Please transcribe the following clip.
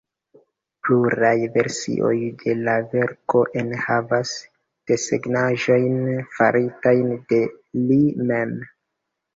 Pluraj versioj de la verko enhavas desegnaĵojn faritajn de li mem.